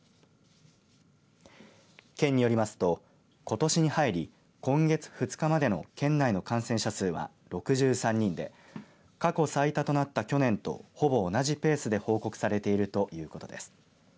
県によりますと、ことしに入り今月２日までの県内の感染者数は６３人で過去最多となった去年とほぼ同じペースで報告されているということです。